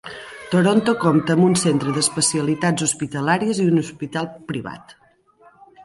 Toronto compta amb un centre d'especialitats hospitalàries i un hospital privat.